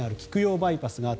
バイパス